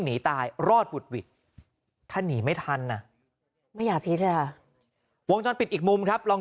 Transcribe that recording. หนีตายรอดวุดถ้าหนีไม่ทันไม่อยากที่วงจรปิดอีกมุมครับลอง